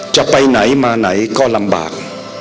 จะไปไหนมาไหนก็ลำบาก